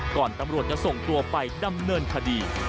ตำรวจจะส่งตัวไปดำเนินคดี